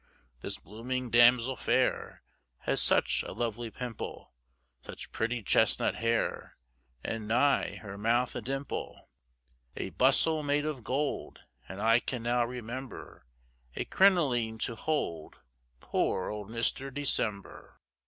This blooming damsel fair, Has such a lovely pimple, Such pretty chesnut hair, And nigh her mouth a dimple; A bustle made of gold, And I can now remember, A crinoline to hold Poor old Mister December.